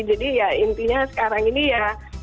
jadi ya intinya sekarang ini ya